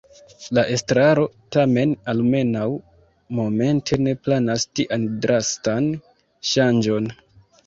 La estraro tamen almenaŭ momente ne planas tian drastan ŝanĝon.